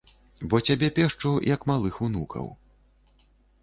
Бо цябе пешчу, як малых унукаў.